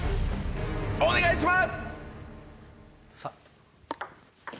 お願いします！